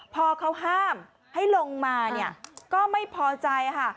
พอเขาห้ามให้ลงมาเนี่ยก็ไม่พอใจค่ะ